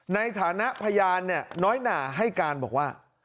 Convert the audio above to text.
ในฐานะพยานน้อยหนาให้การบอกว่า